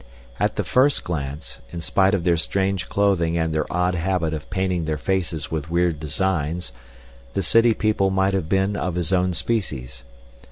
At the first glance, in spite of their strange clothing and their odd habit of painting their faces with weird designs, the city people might have been of his own species.